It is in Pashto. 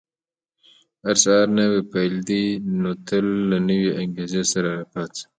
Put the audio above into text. • هر سهار نوی پیل دی، نو تل له نوې انګېزې سره راپاڅه.